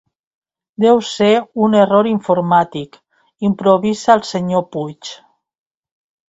Deu ser un error informàtic —improvisa el senyor Puig.